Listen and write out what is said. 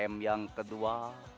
m yang kedua